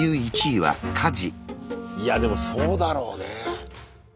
いやでもそうだろうね。